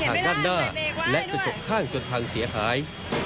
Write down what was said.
ทางด้านหน้าและกระจกข้างจนพังเสียหาย